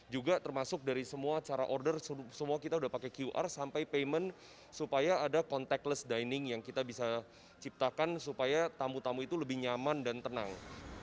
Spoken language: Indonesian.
juga termasuk dari semua cara order semua kita sudah pakai qr sampai payment supaya ada contactless dining yang kita bisa ciptakan supaya tamu tamu itu lebih nyaman dan tenang